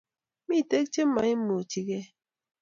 Mitei chemaiumuchikei